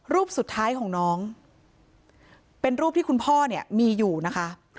รูปสุดท้ายของน้องเป็นรูปที่คุณพ่อเนี่ยมีอยู่นะคะ